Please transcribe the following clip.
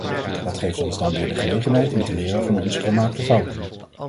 Dat geeft ons dan weer de gelegenheid om te leren van onze gemaakte fouten.